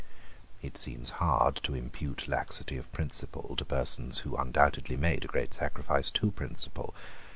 It seems hard to impute laxity of principle to persons who undoubtedly made a great sacrifice to principle.